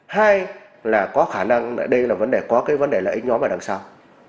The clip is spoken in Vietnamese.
hai là có khả năng đây là vấn đề có cái vấn đề lợi ích nhóm ở đằng sau